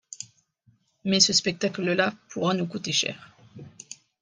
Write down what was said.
Mais ce spectacle-là pourra nous coûter cher.